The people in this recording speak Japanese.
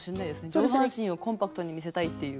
上半身をコンパクトに見せたいっていう。